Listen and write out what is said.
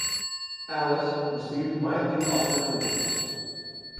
"Alice" received mildly positive reviews.